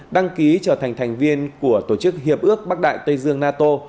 đăng ký trở thành thành viên của tổ chức hiệp ước bắc đại tây dương nato